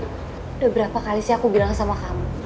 sudah berapa kali sih aku bilang sama kamu